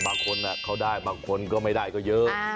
บางคนเขาได้บางคนก็ไม่ได้ก็เยอะ